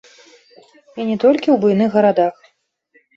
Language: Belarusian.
І не толькі ў буйных гарадах.